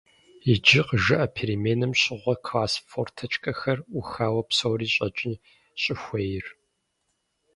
Иджы къыжыӀэ переменэм щыгъуэ класс форточкэхэр Ӏухауэ псори щӀэкӀын щӀыхуейр.